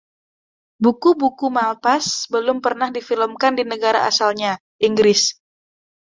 Buku-buku Malpass belum pernah difilmkan di negara asalnya, Inggris.